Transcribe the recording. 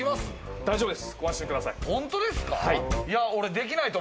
大丈夫です。